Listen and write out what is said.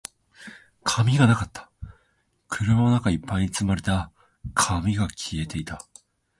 紙がなかった。車の中一杯に積まれた紙が消えていた。